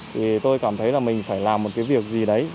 thì tôi cảm thấy là mình phải làm một cái việc gì đấy